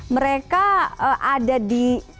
mereka ada di